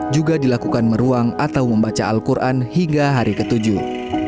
juga dilakukan meruang atau membaca al quran hingga hari ketujuh